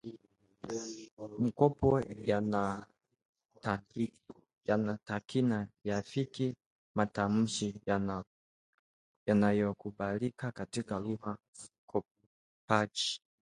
mkopo yanatakikana yaafiki matamshi yanayokubalika katika lugha kopaji